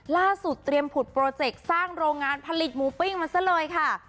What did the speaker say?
ล่าสุดเตรียมผุดโปรเจคสร้างโรงงานผลิตมูฟปิ้งมาซะเลยค่ะ